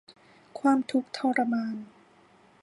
ความทุกข์ทรมาน